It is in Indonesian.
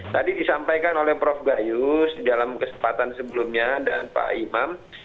tadi disampaikan oleh prof gayus di dalam kesempatan sebelumnya dan pak imam